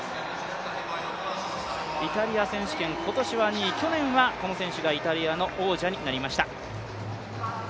イタリア選手権、今年は２位、去年はこの選手がイタリアの王者になりました。